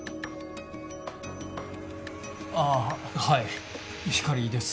あぁはい光莉です。